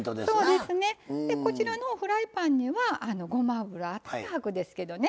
こちらのフライパンにはごま油太白ですけどね